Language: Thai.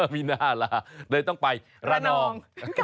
ไม่น่าล่ะเลยต้องไประนอง